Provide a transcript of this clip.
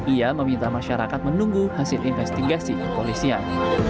ia meminta masyarakat menunggu hasil investigasi kepolisian